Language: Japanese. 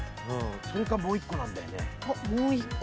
それかもう１個なんだよね。